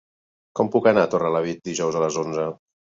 Com puc anar a Torrelavit dijous a les onze?